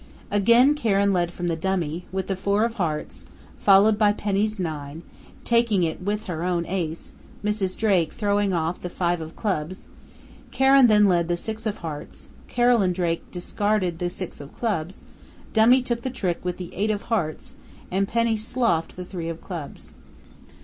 Again Karen led from the dummy, with the four of Hearts, followed by Penny's nine, taking it with her own Ace, Mrs. Drake throwing off the five of Clubs. Karen then led the six of Hearts, Carolyn Drake discarded the six of Clubs, dummy took the trick with the eight of Hearts, and Penny sloughed the three of Clubs.